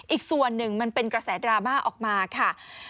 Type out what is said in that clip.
อีกส่วนหนึ่งมันเป็นกระแสดราม่าออกมาค่ะ